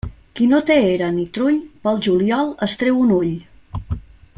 Qui no té era ni trull, pel juliol es treu un ull.